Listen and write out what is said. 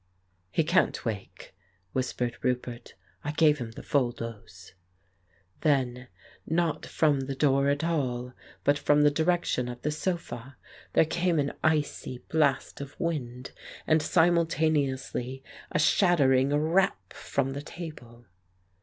"He can't wake," whispered Roupert. "I gave him the full dose." Then, not from the door at all, but from the direc tion of the sofa there came an icy blast of wind, and simultaneously a shattering rap from the table.